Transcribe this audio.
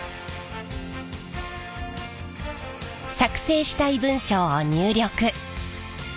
作成したい文章を入力。